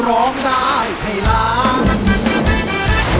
ร้องได้ให้ล้าน